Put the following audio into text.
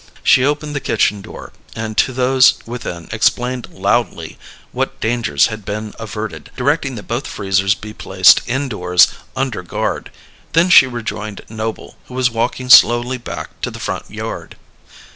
She opened the kitchen door, and to those within explained loudly what dangers had been averted, directing that both freezers be placed indoors under guard; then she rejoined Noble, who was walking slowly back to the front yard.